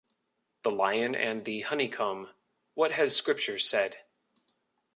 The lion and the honeycomb, what has Scripture said?